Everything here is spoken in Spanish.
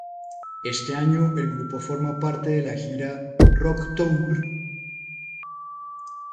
Este año el grupo forma parte de la gira "Rock Tour".